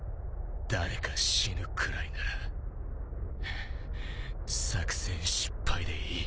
誰か死ぬくらいなら作戦失敗でいい。